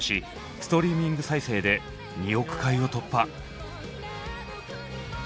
ストリーミング再生で２億回を突破。